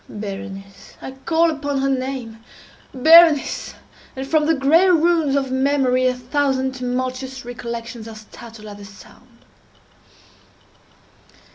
Berenice!—I call upon her name—Berenice!—and from the gray ruins of memory a thousand tumultuous recollections are startled at the sound!